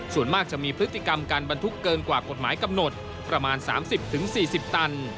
ส่วนมากจะมีพฤติกรรมการบรรทุกเกินกว่ากฎหมายกำหนดประมาณ๓๐๔๐ตัน